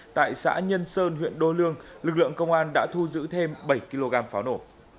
tại xã nhân sơn huyện đô lương lực lượng công an đã thu giữ thêm bảy kg pháo nổ